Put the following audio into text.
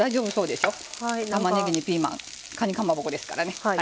たまねぎにピーマンかにかまぼこですからね。